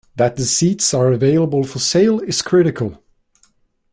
That the seats are available for sale is critical.